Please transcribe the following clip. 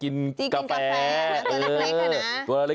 กินกาแฟตัวเล็กนั่นนะ